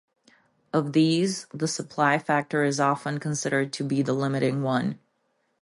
Of these, the supply factor is often considered to be the limiting one.